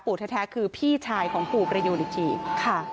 ปู่แท้คือพี่ชายของปู่ประยูนิจจีน